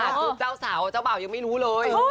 อาณาคุณเจ้าสาวเจ้าเบ่ายังไม่รู้เลย